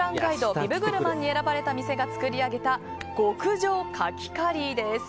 ビブグルマンに選ばれた店が作り上げた極上かきカリーです。